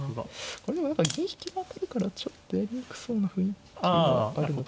これでも何か銀引きが当たるからちょっとやりにくそうな雰囲気がある。